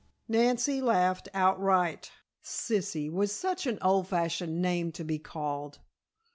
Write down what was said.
Nancy laughed outright. "Sissy" was such an old fashioned name to be called.